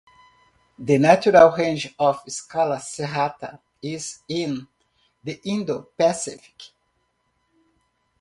The natural range of "Scylla serrata" is in the Indo-Pacific.